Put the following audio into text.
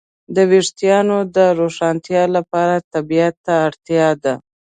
د وېښتیانو د روښانتیا لپاره طبيعت ته اړتیا ده.